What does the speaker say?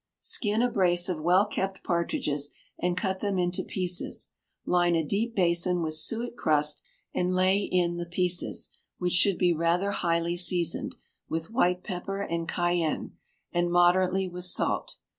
Skin a brace of well kept partridges, and cut them into pieces; line a deep basin with suet crust, and lay in the pieces, which should be rather highly seasoned with white pepper and cayenne, and moderately with salt.